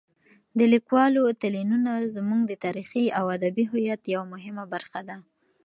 د لیکوالو تلینونه زموږ د تاریخي او ادبي هویت یوه مهمه برخه ده.